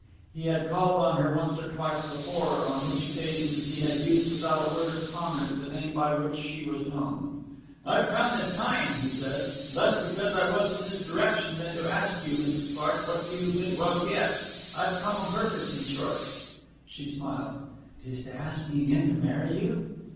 He had called on her once or twice before, on which occasions he had used without a word of comment the name by which she was known. 'I've come this time,' he said, 'less because I was in this direction than to ask you, Mrs. Clark, what you mid well guess. I've come o' purpose, in short.' She smiled. ''Tis to ask me again to marry you?'